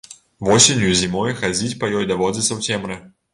Восенню і зімой хадзіць па ёй даводзіцца ў цемры.